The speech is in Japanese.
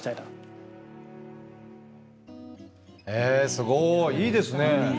すごい。いいですね。